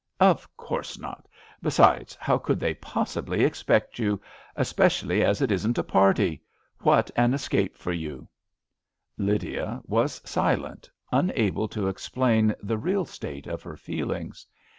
" Of course not ; besides, how could they possibly expect you — especially as it isn't a party? What an escape for you I " Lydia was silent; unable to explain the real state of her feelings.